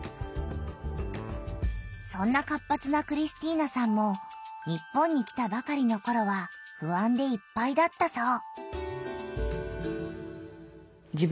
そんな活発なクリスティーナさんも日本に来たばかりのころはふあんでいっぱいだったそう。